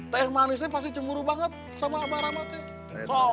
teh manisnya pasti cemburu banget sama abah rama pak